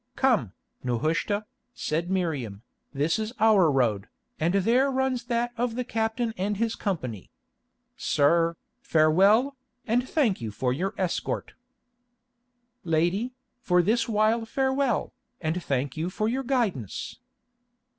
"Come, Nehushta," said Miriam, "this is our road, and there runs that of the captain and his company. Sir, farewell, and thank you for your escort." "Lady, for this while farewell, and thank you for your guidance."